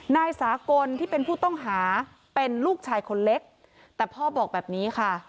นายสากลที่เป็นผู้ต้องหาเป็นลูกชายคนเล็กแต่พ่อบอกแบบนี้ค่ะ